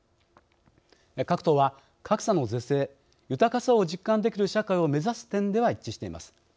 各党は、格差の是正豊かさを実感できる社会を目指す点では一致しています。